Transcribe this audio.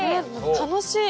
楽しい！